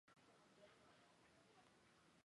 有子张孟中。